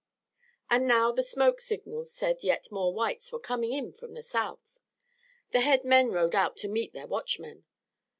And now the smoke signals said yet more whites were coming in from the south! The head men rode out to meet their watchmen.